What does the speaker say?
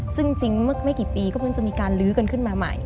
ซึ่งจริงเมื่อไม่กี่ปีก็เพิ่งจะมีการลื้อกันขึ้นมาใหม่